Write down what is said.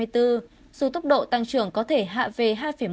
dù tốc độ tăng trưởng có thể hạ về hai một